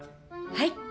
はい。